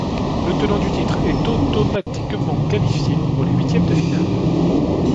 Le tenant du titre est automatiquement qualifié pour les huitièmes de finale.